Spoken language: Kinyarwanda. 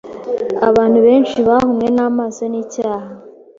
abantu benshi bahumwe amaso n’icyaha